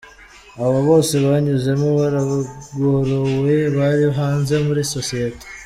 Abo bose banyuzemo baragorowe, bari hanze muri sosiyete.